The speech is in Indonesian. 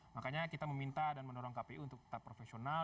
makanya kita meminta dan mendorong kpu untuk tetap profesional